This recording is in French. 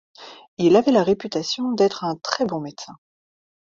Il avait la réputation d’être un très bon médecin.